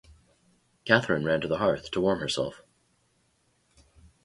Catherine ran to the hearth to warm herself.